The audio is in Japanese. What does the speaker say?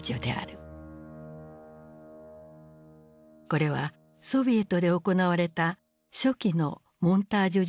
これはソビエトで行われた初期のモンタージュ実験の映像。